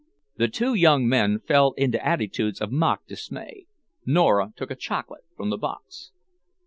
The two young men fell into attitudes of mock dismay. Nora took a chocolate from a box.